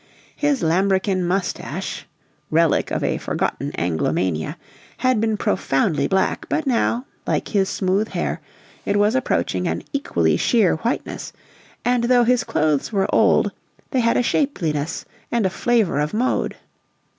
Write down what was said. His lambrequin mustache relic of a forgotten Anglomania had been profoundly black, but now, like his smooth hair, it was approaching an equally sheer whiteness; and though his clothes were old, they had shapeliness and a flavor of mode.